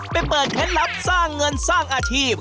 เปิดเคล็ดลับสร้างเงินสร้างอาชีพ